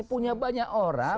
punya banyak orang